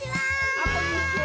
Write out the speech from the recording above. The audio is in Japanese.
あこんにちは。